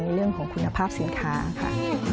เรื่องของคุณภาพสินค้าค่ะ